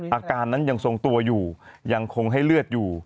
อาการนั้นยังทรงตัวอยู่ยังคงให้เลือดอยู่